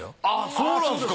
そうなんですか。